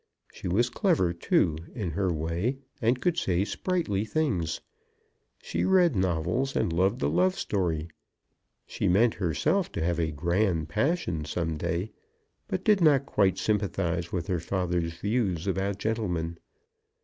She was clever, too, in her way, and could say sprightly things. She read novels, and loved a love story. She meant herself to have a grand passion some day, but did not quite sympathise with her father's views about gentlemen.